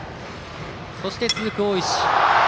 そして続く大石。